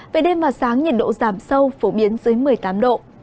về đêm và sáng nhiệt độ giảm sâu phổ biến dưới một mươi tám độ